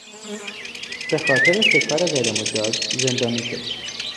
بخاطر شکار غیرمجاز زندانی شد.